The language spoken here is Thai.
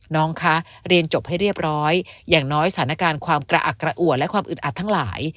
น้องคะเรียนจบให้เรียบร้อยอย่างน้อยสถานการณ์ความกระอักกระอวดและความอึดอัดทั้งหลาย